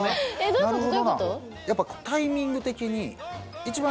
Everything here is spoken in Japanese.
なるほど。